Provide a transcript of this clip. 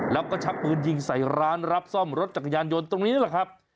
แล้วก็ชักปืนยิงใส่ร้านรับซ่อมรถจักรยานยนต์ตรงนี้แหละครับ